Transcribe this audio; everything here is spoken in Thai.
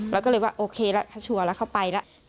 เราก็เลยว่าโอเคแล้วถ้าชัวร์แล้วเข้าไปแล้ว